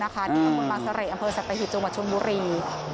ที่ตรงบนบางเสร็จอำเภอสัตถีชนบางชนบุรี